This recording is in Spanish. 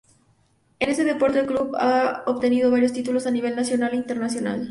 En este deporte el club ha obtenido varios títulos a nivel nacional e internacional.